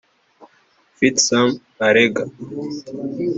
Fitsum Arega